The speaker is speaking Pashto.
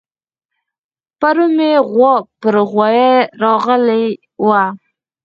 پرون مې غوا پر غوايه راغلې وه